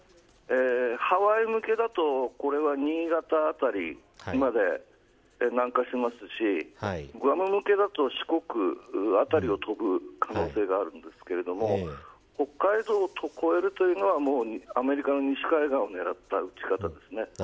ハワイ向けだとこれは新潟辺りまで南下しますしグアム向けだと四国辺りを飛ぶ可能性があるんですけど北海道を越えるというのはアメリカの西海岸を狙った撃ち方ですね。